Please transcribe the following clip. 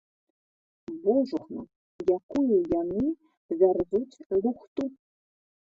Божухна, якую яны вярзуць лухту!